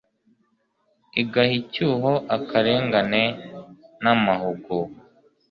igaha icyuho akarengane n'amahugu.